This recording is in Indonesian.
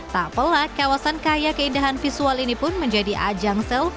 tak pelak kawasan kaya keindahan visual ini pun menjadi ajang sel